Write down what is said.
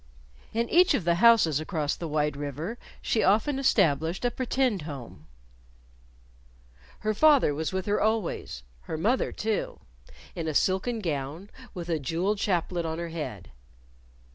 In each of the houses across the wide river, she often established a pretend home. Her father was with her always; her mother, too, in a silken gown, with a jeweled chaplet on her head.